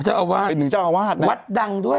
เจ้าอาวาสวัดดังด้วย